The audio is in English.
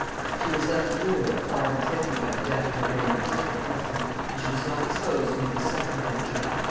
She was left a widow at five and twenty by the death of a very indifferent husband, and she was not disposed to make a second venture.